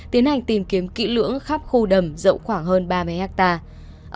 tiến hành tìm kiếm kỹ lưỡng khắp khu đầm rộng khoảng hơn ba mươi hectare